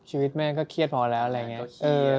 ชีวิตแม่ก็เครียดพอแล้วอะไรอย่างนี้